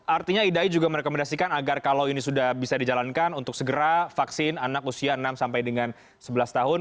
artinya idai juga merekomendasikan agar kalau ini sudah bisa dijalankan untuk segera vaksin anak usia enam sampai dengan sebelas tahun